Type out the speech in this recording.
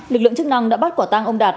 lực lượng chức năng đã bắt quả tang ông đạt